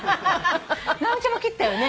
直美ちゃんも切ったよね？